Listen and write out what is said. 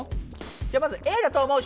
じゃあまずＡだと思う人！